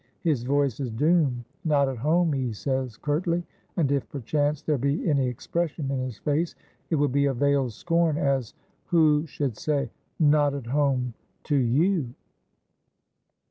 His voice is doom. 'Not at home,' he says curtly ; and if, perchance, there be any expression in his face, it will be a veiled scorn, as who should say, ' Not at home — to you.'